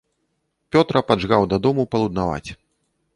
Пётра паджгаў да дому палуднаваць.